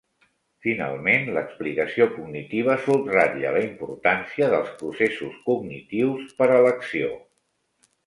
Finalment, l'explicació cognitiva subratlla la importància dels processos cognitius per a l'acció.